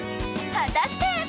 果たして？